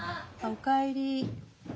お帰り。